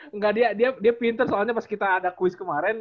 enggak dia pinter soalnya pas kita ada quiz kemaren